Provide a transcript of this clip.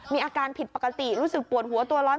มีอาการผิดปกติรู้สึกปวดหัวตัวร้อน